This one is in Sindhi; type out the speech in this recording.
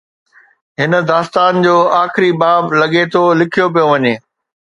هن داستان جو آخري باب، لڳي ٿو، لکيو پيو وڃي.